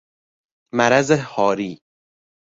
مرض هاری